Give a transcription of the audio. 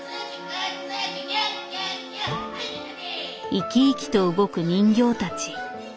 生き生きと動く人形たち。